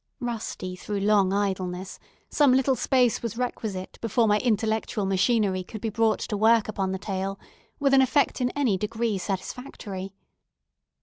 Rusty through long idleness, some little space was requisite before my intellectual machinery could be brought to work upon the tale with an effect in any degree satisfactory.